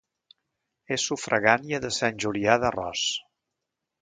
És sufragània de Sant Julià d'Arròs.